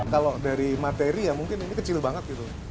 kalau dari materi ya mungkin ini kecil banget gitu